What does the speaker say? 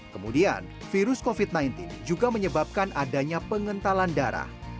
kemudian virus covid sembilan belas juga menyebabkan adanya pengentalan darah